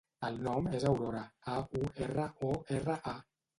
El nom és Aurora: a, u, erra, o, erra, a.